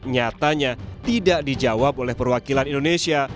nyatanya tidak dijawab oleh perwakilan indonesia